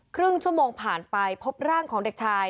ครึ่งชั่วโมงผ่านไปพบร่างของเด็กชาย